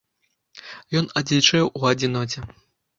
Ён адзічэў у адзіноце.